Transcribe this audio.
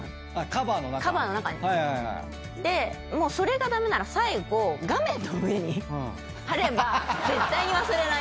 でそれが駄目なら最後画面の上に貼れば絶対に忘れない。